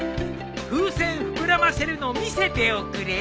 風船膨らませるのを見せておくれ。